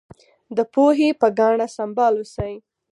د پوهې په ګاڼه سمبال اوسئ.